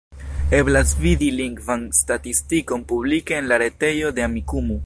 Eblas vidi lingvan statistikon publike en la retejo de Amikumu.